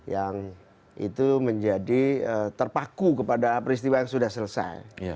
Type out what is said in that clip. yang itu menjadi terpaku kepada peristiwa yang sudah selesai